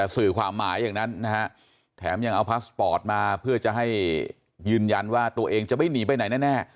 สื่อความหมายอย่างนั้นนะฮะแถมยังเอาพาสปอร์ตมาเพื่อจะให้ยืนยันว่าตัวเองจะไม่หนีไปไหนแน่